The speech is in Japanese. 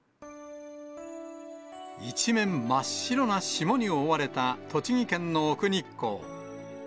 一面真っ白な霜に覆われた栃木県の奥日光。